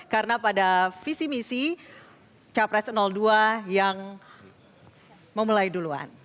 karena pada visi misi capres dua yang memulai duluan